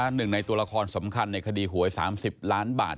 หนึ่งในตัวละครสำคัญในคดีหวย๓๐ล้านบาท